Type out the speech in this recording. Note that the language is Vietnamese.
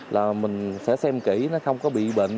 là mình sẽ xem kỹ nó không có bị bệnh